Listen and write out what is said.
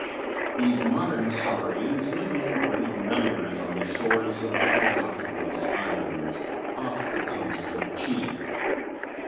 These modern saurians live in great numbers on the shores of the Galapagos Islands off the coast of Chile.